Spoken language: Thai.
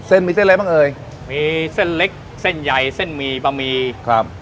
เส้นมีเส้นอะไรบ้างเอ่ยมีเส้นเล็กเส้นใหญ่เส้นหมี่บะหมี่ครับ